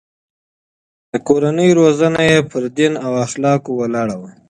د کورنۍ روزنه يې پر دين او اخلاقو ولاړه وه.